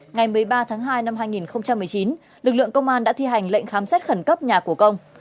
ngày một mươi ba tháng hai năm hai nghìn một mươi chín lực lượng công an đã thi hành lệnh khám xét khẩn cấp nhà của công